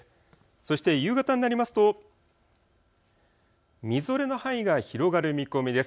そして夕方になりますとみぞれの範囲が広がる見込みです。